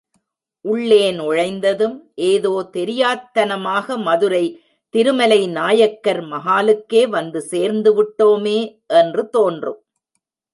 உள்ளே நுழைந்ததும் ஏதோ தெரியாத்தனமாக மதுரை திருமலை நாயக்கர் மஹாலுக்கே வந்து சேர்ந்து விட்டோமே என்று தோன்றும்.